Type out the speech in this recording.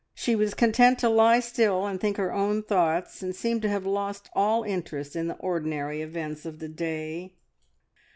She was content to lie still and think her own thoughts, and seemed to have lost all interest in the ordinary events of the day.